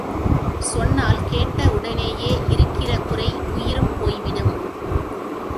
சொன்னால் கேட்ட உடனேயே இருக்கிற குறை உயிரும் போய் விடும்!